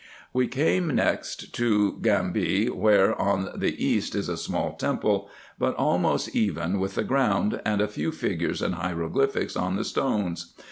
We next came to Gamby, where, on the east, is a small temple, but almost even with the ground, and a few figures and hieroglyphics on the stones.